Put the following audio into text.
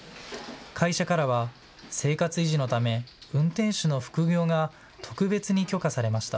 会社からは生活維持のため運転手の副業が特別に許可されました。